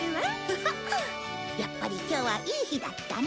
やっぱり今日はいい日だったね。